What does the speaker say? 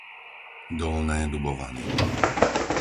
Dolné Dubovany